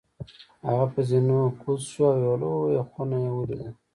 هغه په زینو کوز شو او یوه لویه خونه یې ولیده.